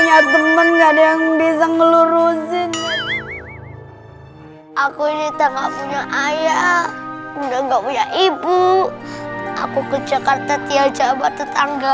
aku ini tak punya ayah udah nggak punya ibu aku ke jakarta tiap jabat tetangga